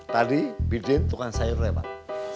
tadi bidin tukang sayur lewat